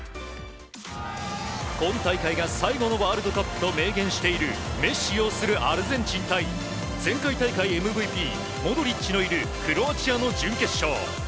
今大会が最後のワールドカップと明言しているメッシ擁するアルゼンチン対前回大会ＭＶＰモドリッチのいるクロアチアの準決勝。